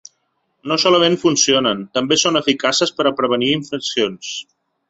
No solament funcionen, també són eficaces per a prevenir infeccions.